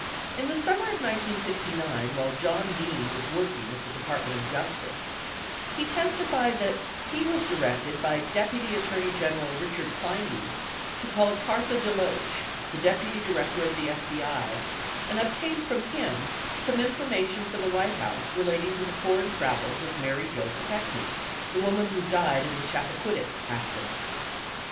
In the summer of 1969, while John Dean was working at the Depart ment of Justice, he testified that he was directed by Deputy Attorney General Richard Kleindienst to call Cartha DeLoaeh, the Deputy Director of the FBI, and obtain from him some information for the White House relating to the foreign travels of Mary Jo Kopechne (the woman who died in the Chappaquiddick accident).